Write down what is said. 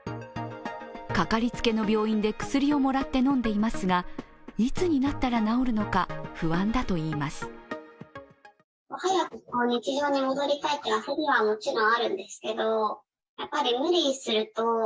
かかりつけの病院で薬をもらって飲んでいますがいつになったら治るのか不安だといいます。